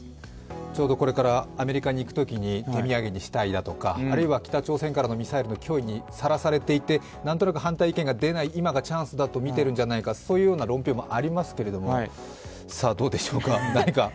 ちょうどこれからアメリカに行くときに手土産にしたいだとかあるいは北朝鮮からのミサイルの脅威にさらされていて何となく反対意見が出ない今がチャンスだとみているんじゃないか、そういうような論評もありますけれども、どうでしょうか。